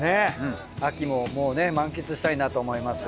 秋も満喫したいなと思います。